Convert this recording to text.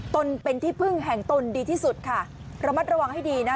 ตนเป็นที่พึ่งแห่งตนดีที่สุดค่ะระมัดระวังให้ดีนะ